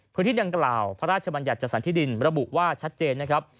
พระราชบัญญัติจัดสรรที่ดินระบุว่าชัดเจนนะครับ